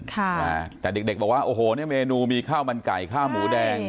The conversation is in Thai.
แต่เด็กเด็กบอกว่าโอ้โหเนี่ยเมนูมีข้าวมันไก่ข้าวหมูแดง